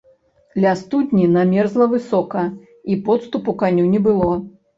Ля студні намерзла высока, і подступу каню не было.